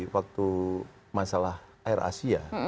waktu masalah air asia